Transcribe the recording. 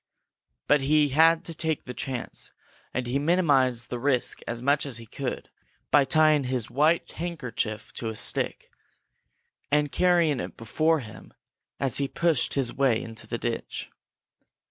But he had to take the chance, and he minimized the risk as much as he could by tying his white handkerchief to a stick and carrying it before him as he pushed his way into the ditch.